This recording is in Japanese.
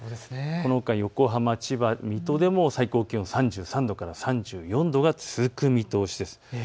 このほか横浜、千葉、水戸でも最高気温３３度から３４度が続く見通しです。